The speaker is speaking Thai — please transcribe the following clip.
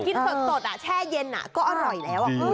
กินสดแช่เย็นก็อร่อยแล้ว